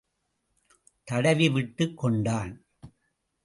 தடவி விட்டுக் கொண்டான்.